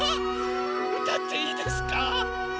うたっていいですか？